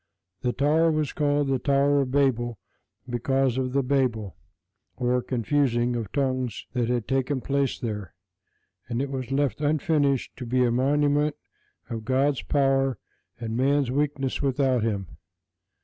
The tower was called the Tower of Babel because of the babel, or confusion, of tongues which had taken place there, and it was left unfinished to be a monument of God's power and man's weakness without Him.